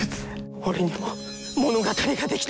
俺にも物語が出来た。